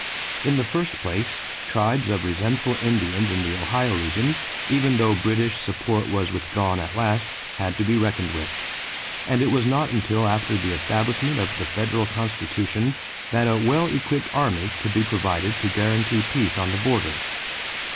In the first place, tribes of resentful Indians in the Ohio region, even though British support was withdrawn at last, had to be reckoned with; and it was not until after the establishment of the federal Constitution that a well equipped army could be provided to guarantee peace on the border.